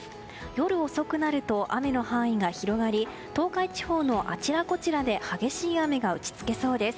夜遅くなると雨の範囲が広がり東海地方のあちらこちらで激しい雨が打ち付けそうです。